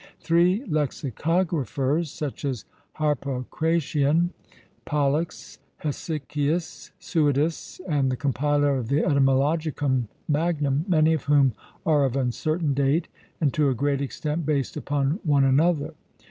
(3) Lexicographers, such as Harpocration, Pollux, Hesychius, Suidas, and the compiler of the Etymologicum Magnum, many of whom are of uncertain date, and to a great extent based upon one another.